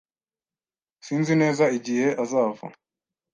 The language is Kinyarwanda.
Sinzi neza igihe azava.